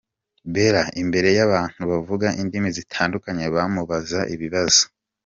Bella imbere y'abantu bavuga indimi zitandukanye bamubaza ibibazo.